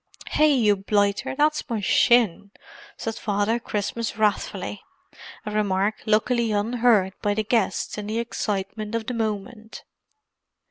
"Hi, you blighter, that's my shin!" said Father Christmas wrathfully; a remark luckily unheard by the guests in the excitement of the moment.